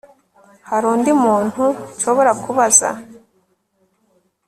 Hari undi muntu nshobora kubaza